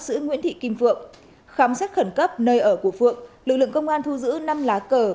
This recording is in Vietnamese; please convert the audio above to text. giữ nguyễn thị kim phượng khám xét khẩn cấp nơi ở của phượng lực lượng công an thu giữ năm lá cờ